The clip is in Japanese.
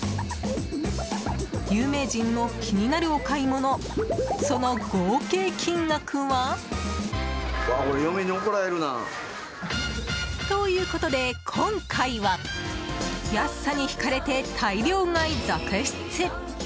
有名人の気になるお買い物その合計金額は？ということで今回は安さに引かれて大量買い続出！